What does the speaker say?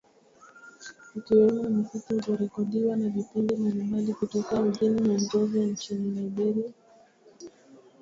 kukiwemo muziki uliorekodiwa na vipindi mbalimbali kutokea mjini Monrovia nchini Liberia